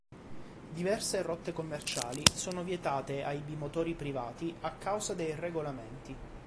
Diverse rotte commerciali sono vietate ai bimotori privati a causa dei regolamenti.